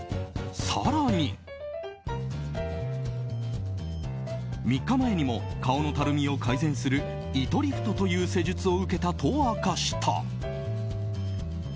更に、３日前にも顔のたるみを改善する糸リフトという施術を受けたと明かした。